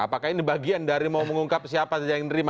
apakah ini bagian dari mau mengungkap siapa saja yang menerima